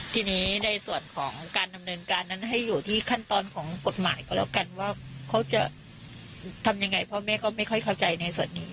ทีนี้ในส่วนของการดำเนินการนั้นให้อยู่ที่ขั้นตอนของกฎหมายก็แล้วกันว่าเขาจะทำยังไงพ่อแม่ก็ไม่ค่อยเข้าใจในส่วนนี้